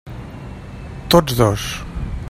Tots dos.